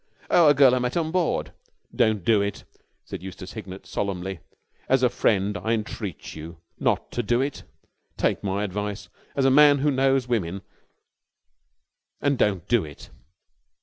"Oh, a girl I met on board." "Don't do it!" said Eustace Hignett solemnly. "As a friend I entreat you not to do it! Take my advice, as a man who knows women, and don't do it!"